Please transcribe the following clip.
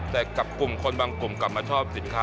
แต่กับกลุ่มคนบางกลุ่มกลับมาชอบสินค้า